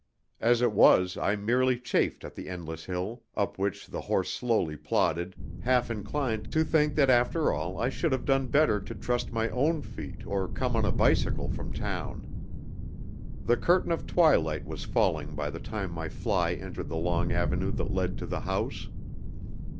As it was I merely chafed at the endless hill, up which the horse slowly plodded, half inclined to think that after all I should have done better to trust to my own feet or come on a bicycle from town. The curtain of twilight was falling by the time my fly entered the long avenue that led to the house.